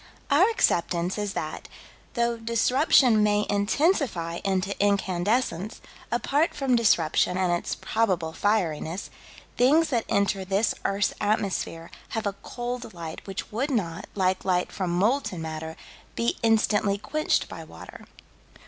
Our acceptance is that, though disruption may intensify into incandescence, apart from disruption and its probable fieriness, things that enter this earth's atmosphere have a cold light which would not, like light from molten matter, be instantly quenched by water.